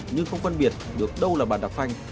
nhưng không phân biệt được đâu là bàn đạp phanh